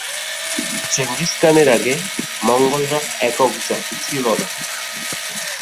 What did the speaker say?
Genghis খানের আগে মঙ্গোলরা একক জাতি ছিল না।